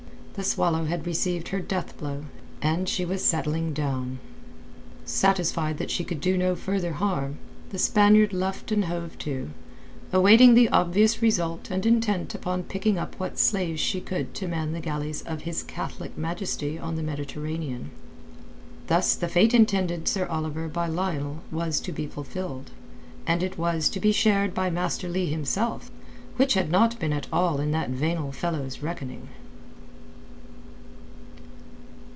The Swallow had received her death blow, and she was settling down. Satisfied that she could do no further harm, the Spaniard luffed and hove to, awaiting the obvious result and intent upon picking up what slaves she could to man the galleys of his Catholic Majesty on the Mediterranean. Thus the fate intended Sir Oliver by Lionel was to be fulfilled; and it was to be shared by Master Leigh himself, which had not been at all in that venal fellow's reckoning.